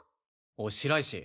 おい白石